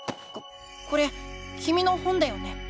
ここれきみの本だよね？